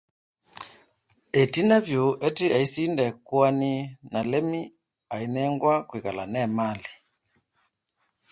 Ultimately, Hetty wins the case and Lem is allowed to keep the property.